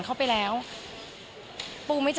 ขอเริ่มขออนุญาต